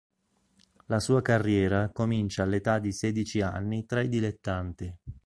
La sua carriera comincia all'età di sedici anni tra i dilettanti.